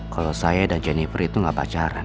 kalau saya dan jennifer itu gak pacaran